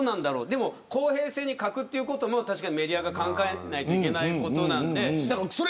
でも、公平性に欠くということもメディアが考えないといけないことなので。